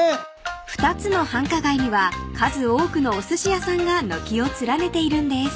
［２つの繁華街には数多くのおすし屋さんが軒を連ねているんです］